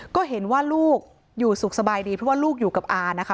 ก็เห็นว่าลูกอยู่สุขสบายดีเพราะว่าลูกอยู่กับอานะคะ